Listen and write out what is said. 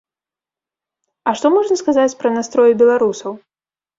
А што можна сказаць пра настроі беларусаў?